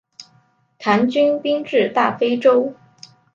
唐军兵至大非川。